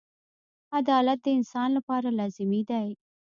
• عدالت د انسان لپاره لازمي دی.